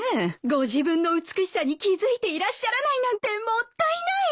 ご自分の美しさに気付いていらっしゃらないなんてもったいない！